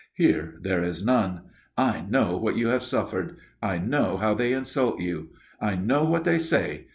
_ Here there is none. I know what you have suffered. I know how they insult you. I know what they say.